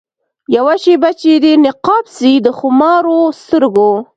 یوه شېبه چي دي نقاب سي د خمارو سترګو